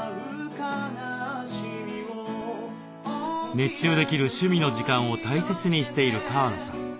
熱中できる趣味の時間を大切にしている川野さん。